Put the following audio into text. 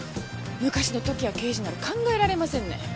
昔の時矢刑事なら考えられませんね。